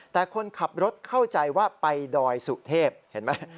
แต่คนขับรถเข้าใจว่าไปดอยสุเทพเห็นไหม